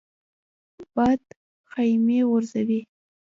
باد خیمې غورځوي